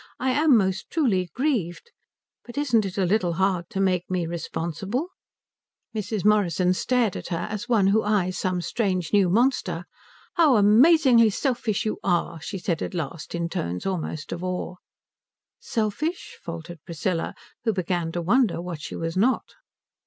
I am most truly grieved. But isn't it a little hard to make me responsible?" Mrs. Morrison stared at her as one who eyes some strange new monster. "How amazingly selfish you are," she said at last, in tones almost of awe. "Selfish?" faltered Priscilla, who began to wonder what she was not.